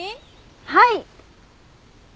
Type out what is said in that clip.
はい。